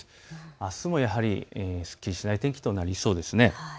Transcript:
あすもやはりすっきりしない天気となりそうです。